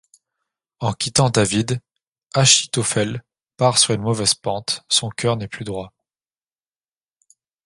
En quittant David, Achitophel part sur une mauvaise pente, son cœur n'est plus droit.